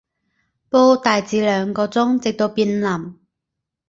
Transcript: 煲大致兩個鐘，直到變腍